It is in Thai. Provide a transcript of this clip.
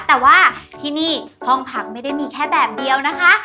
แต่ว่าที่นี่ห้องพักไม่ได้มีแค่แบบเดียวนะคะ